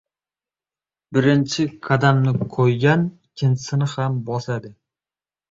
• Birinchi qadamni qo‘ygan ikkinchisini ham bosadi.